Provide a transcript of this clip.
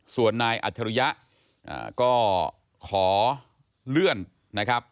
ส่วนนายอัจฉริยะก็ขอเลื่อนนะครับ